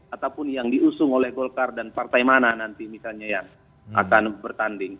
ataupun yang diusung oleh golkar dan partai mana nanti misalnya yang akan bertanding